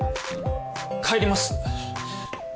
帰ります。